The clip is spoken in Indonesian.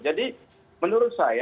jadi menurut saya